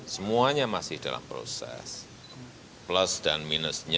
semuanya masih dalam proses plus dan minusnya